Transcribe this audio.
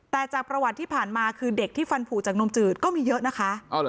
แต่จากประวัติที่ผ่านมาคือเด็กที่ฟันผูจากนมจืดก็มีเยอะนะคะ